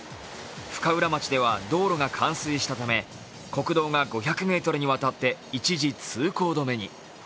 深浦町では道路が冠水したため国道が５００ｍにわたって一時通行止めに。